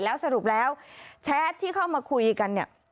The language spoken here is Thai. แล้วสรุปแล้วแชทที่เข้ามาคุยกันเนี่ย